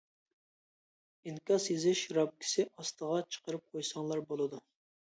ئىنكاس يېزىش رامكىسى ئاستىغا چىقىرىپ قويساڭلار بولىدۇ.